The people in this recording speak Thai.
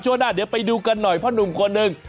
หน้าเดี๋ยวไปดูกันหน่อยเพราะหนุ่มคนหนึ่ง